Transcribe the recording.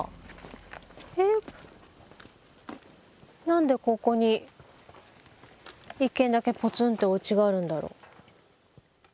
何でここに一軒だけポツンっておうちがあるんだろう。